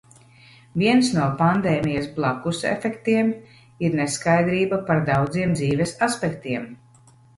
Viens no pandēmijas "blakusefektiem" ir neskaidrība par daudziem dzīves aspektiem.